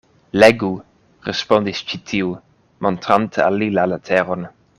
Legu, respondis ĉi tiu, montrante al li la leteron.